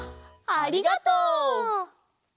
ありがとう。